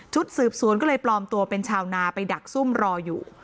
สืบสวนก็เลยปลอมตัวเป็นชาวนาไปดักซุ่มรออยู่